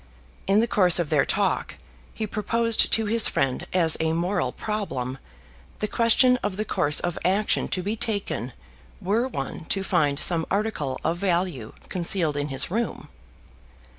In the course of their talk he proposed to his friend as a moral problem the question of the course of action to be taken were one to find some article of value concealed in his room.